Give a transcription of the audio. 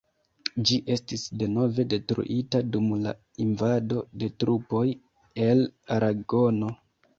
Ĝi estis denove detruita dum la invado de trupoj el aragono.